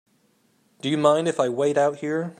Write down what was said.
Do you mind if I wait out here?